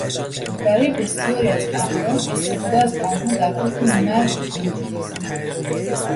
برای بسیاری افراد، استفاده از آنها در حکم مرگ یا زندگی است